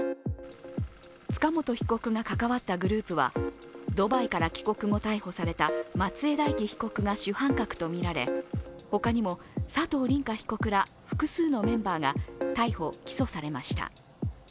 塚本被告が関わったグループは、ドバイから帰国後、逮捕された松江大樹被告が主犯格とみられほかにも佐藤凜果被告ら複数のメンバーが逮捕・起訴されました。